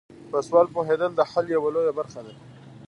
په سوال پوهیدل د حل لویه برخه ده.